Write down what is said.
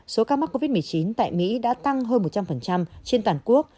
số ca mắc covid một mươi chín tại mỹ đã tăng hơn một trăm linh trên toàn quốc